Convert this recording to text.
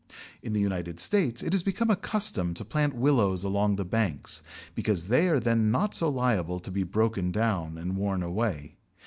In the United States, it has become a custom to plant Willows along the banks, because they are then not so liable to be broken down and worn away.